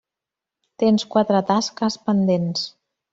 Tens quatre tasques pendents.